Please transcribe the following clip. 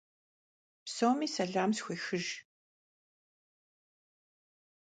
Psomi selam sxuêxıjj.